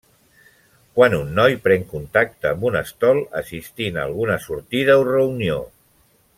Quan un noi pren contacte amb un estol assistint a alguna sortida o reunió.